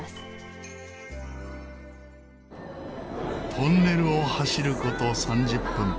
トンネルを走る事３０分。